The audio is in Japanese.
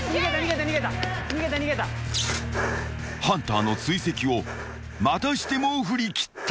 ［ハンターの追跡をまたしても振り切った］